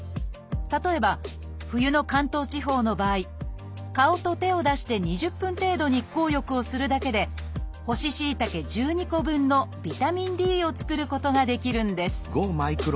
例えば冬の関東地方の場合顔と手を出して２０分程度日光浴をするだけで干ししいたけ１２個分のビタミンＤを作ることができるんです